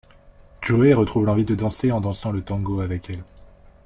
Joey retrouve l'envie de danser en dansant le tango avec elle.